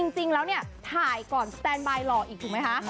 จริงแล้วเนี่ยถ่ายก่อนสแตนบายหล่ออีกถูกไหมคะ